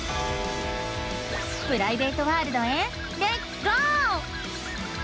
プライベートワールドへレッツゴー！